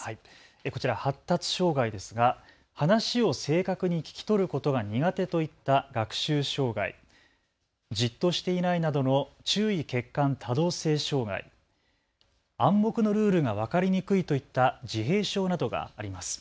こちら、発達障害ですが話を正確に聞き取ることが苦手といった学習障害、じっとしていないなどの注意欠陥多動性障害、暗黙のルールが分かりにくいといった自閉症などがあります。